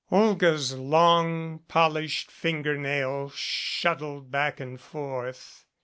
Olga's long polished finger nail shuttled back and forth.